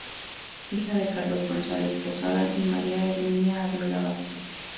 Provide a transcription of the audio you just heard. Hija de Carlos Gonzáles Posada y María Herminia Arriola Vásquez.